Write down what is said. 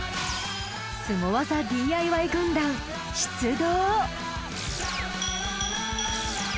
スゴ技ＤＩＹ軍団出動。